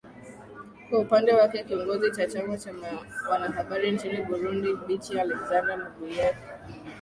kwa upande wake kiongozi wa chama cha wanahabari nchini burundi bichi alexander myungeko